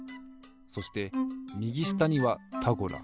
そしてみぎしたには「タゴラ」。